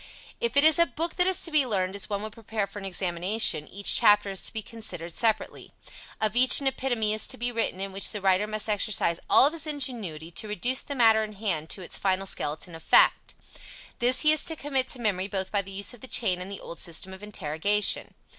If it is a book that is to be learned as one would prepare for an examination, each chapter is to be considered separately. Of each an epitome is to be written in which the writer must exercise all of his ingenuity to reduce the matter in hand to its final skeleton of fact. This he is to commit to memory both by the use of the chain and the old system of interrogation.